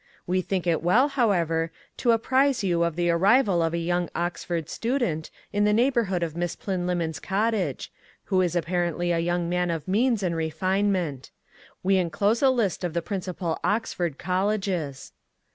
We think it well, however, to apprise you of the arrival of a young Oxford student in the neighbourhood of Miss Plynlimmon's cottage, who is apparently a young man of means and refinement. We enclose a list of the principal Oxford Colleges.